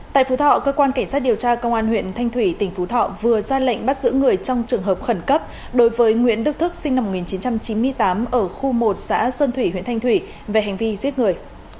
tại phú thọ cơ quan cảnh sát điều tra công an huyện thanh thủy tỉnh phú thọ vừa ra lệnh bắt giữ người trong trường hợp khẩn cấp đối với nguyễn đức thức sinh năm một nghìn chín trăm chín mươi tám ở khu một xã sơn thủy huyện thanh thủy về hành vi giết người